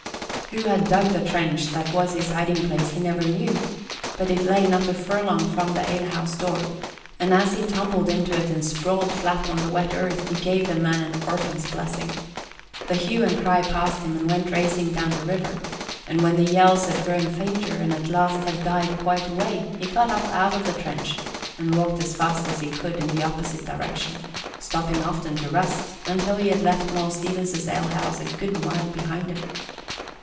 Who had dug the trench that was his hiding place he never knew, but it lay not a furlong from the alehouse door, and as he tumbled into it and sprawled flat on the wet earth he gave the man an orphan's blessing. The hue and cry passed him and went racing down the river; and when the yells had grown fainter, and at last had died quite away, he got up out of the trench and walked as fast as he could in the opposite direction, stopping often to rest, until he had left Moll Stevens's alehouse a good mile behind him.